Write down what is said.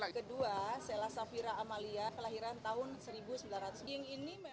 kedua selasafira amalia kelahiran tahun seribu sembilan ratus